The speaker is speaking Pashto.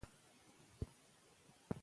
او د سیاسي، اخلاقي او هویتي دریځ بڼه خپلوي،